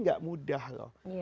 tidak mudah loh